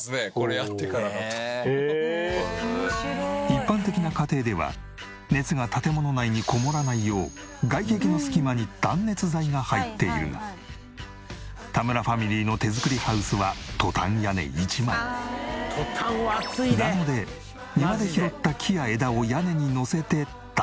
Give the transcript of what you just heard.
一般的な家庭では熱が建物内にこもらないよう外壁の隙間に断熱材が入っているが田村ファミリーの手作りハウスは「トタンは暑いで」なので庭で拾った木や枝を屋根にのせて断熱。